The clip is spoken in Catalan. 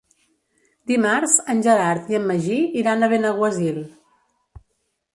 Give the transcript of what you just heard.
Dimarts en Gerard i en Magí iran a Benaguasil.